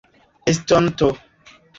estonto